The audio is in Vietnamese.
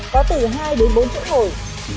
có từ hai bốn chỗ ngồi